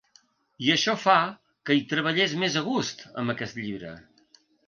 I això fa que hi treballés més a gust, amb aquest llibre.